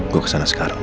gue kesana sekarang